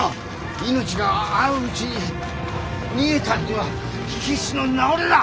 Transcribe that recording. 命があるうちに逃げたんでは火消しの名折れだ！